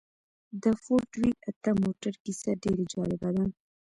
د فورډ وي اته موټر کيسه ډېره جالبه ده.